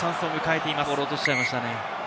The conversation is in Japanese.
ボール、落としちゃいましたね。